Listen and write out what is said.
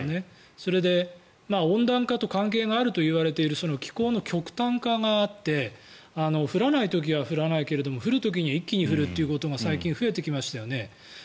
それで温暖化と関係があるといわれている気候の極端化があって降らない時は降らないけれど降る時に一気に降るということが最近増えてきましたよね。